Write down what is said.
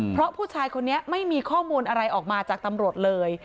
เพราะผู้ชายคนนี้ไม่มีข้อมูลอะไรออกมาจากตำรวจเลย